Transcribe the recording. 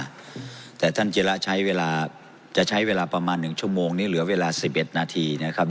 นะครับแต่ท่านเจระใช้เวลาประมาณ๑ชั่วโมงนี้เหลือเวลา๑๑นาทีนะครับ